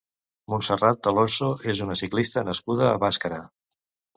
Montserrat Alonso és una ciclista nascuda a Bàscara.